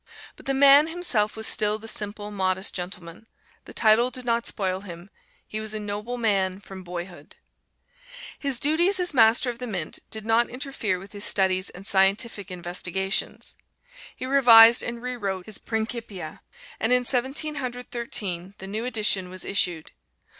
But the man himself was still the simple, modest gentleman. The title did not spoil him he was a noble man from boyhood. His duties as Master of the Mint did not interfere with his studies and scientific investigations. He revised and rewrote his "Principia," and in Seventeen Hundred Thirteen the new edition was issued.